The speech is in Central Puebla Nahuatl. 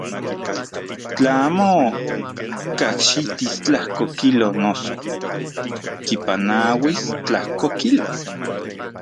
Tla amo kajxitis tlajko kilo noso kipanauis tlajko kilo.